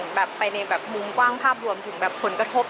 แล้วยังงี้ได้คิดหนึ่งไปในมุมกว้างภาพรวมถึงผลกระทบ